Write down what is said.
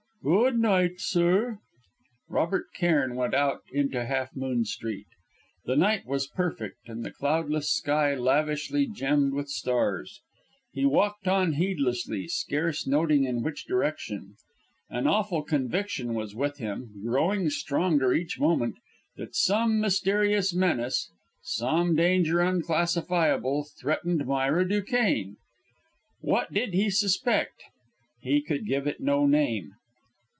"Good night, sir." Robert Cairn went out into Half Moon Street. The night was perfect, and the cloudless sky lavishly gemmed with stars. He walked on heedlessly, scarce noting in which direction. An awful conviction was with him, growing stronger each moment, that some mysterious menace, some danger unclassifiable, threatened Myra Duquesne. What did he suspect? He could give it no name.